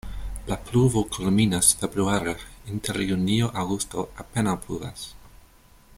La pluvo kulminas februare, inter junio-aŭgusto apenaŭ pluvas.